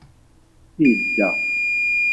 Idda.